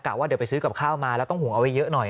ว่าเดี๋ยวไปซื้อกับข้าวมาแล้วต้องห่วงเอาไว้เยอะหน่อย